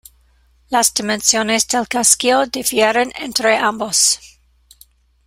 Las dimensiones del casquillo difieren entre ambos.